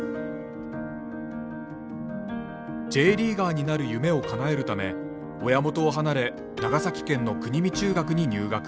Ｊリーガーになる夢をかなえるため親元を離れ長崎県の国見中学に入学。